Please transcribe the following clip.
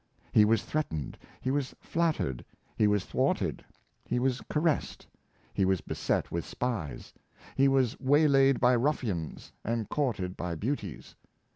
He was threatened, he was flattered, he was thwarted, he was caressed, he was beset with spies, he was waylaid by ruffians, and courted by beauties.